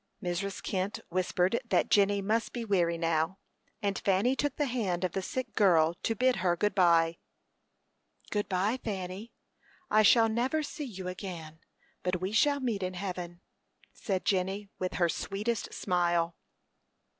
Mrs. Kent whispered that Jenny must be weary now, and Fanny took the hand of the sick girl, to bid her good by. "Good by, Fanny. I shall never see you again; but we shall meet in heaven," said Jenny, with her sweetest smile.